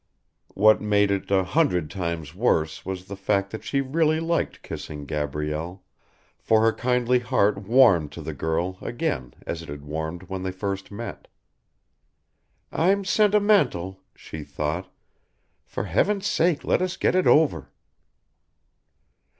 What made it a hundred times worse was the fact that she really liked kissing Gabrielle, for her kindly heart warmed to the girl again as it had warmed when first they met. "I'm sentimental," she thought, "for heaven's sake let us get it over!"